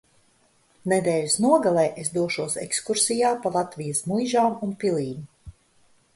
Nedēļas nogalē es došos ekskursijā pa Latvijas muižām un pilīm.